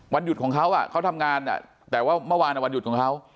วันหยุดของเขาเขาทำงานแต่ว่าเมื่อวานวันหยุดของเขา